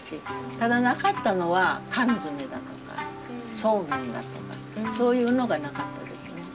ただなかったのは缶詰だとかそうめんだとかそういうのがなかったですね。